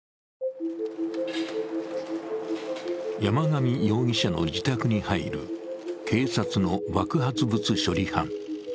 山上容疑者の自宅に入る警察の爆発物処理班。